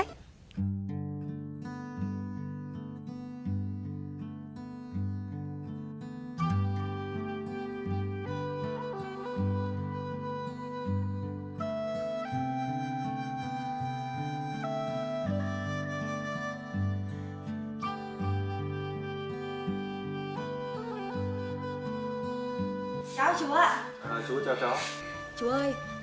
chú chú ơi chú ơi